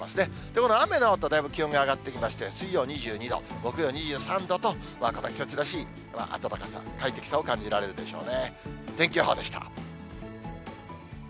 この雨のあと、だいぶ気温が上がってきまして、水曜２２度、木曜２３度と、この季節らしい暖かさ、快適さを感じられるでしょうね。